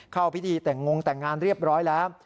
เข้าพิธีแต่งงแต่งงานเรียบร้อยแล้ว